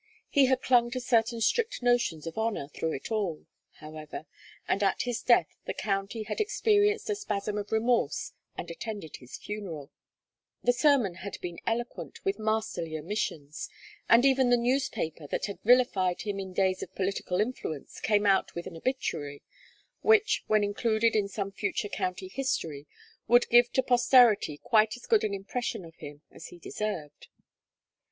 He had clung to certain strict notions of honor through it all, however, and at his death the county had experienced a spasm of remorse and attended his funeral; the sermon had been eloquent with masterly omissions, and even the newspaper that had vilified him in his days of political influence came out with an obituary, which, when included in some future county history, would give to posterity quite as good an impression of him as he deserved.